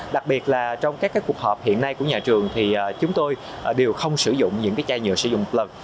đặc biệt là trong các cuộc họp hiện nay của nhà trường thì chúng tôi đều không sử dụng những chai nhựa sử dụng một lần